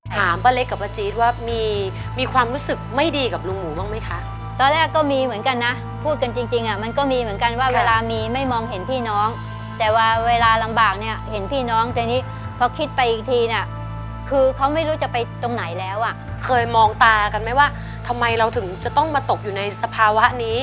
ทำไมเราถึงจะต้องมาตกอยู่ในสภาวะนี้